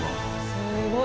すごい。